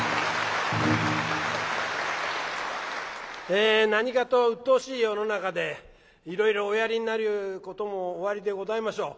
え何かとうっとうしい世の中でいろいろおやりになることもおありでございましょう。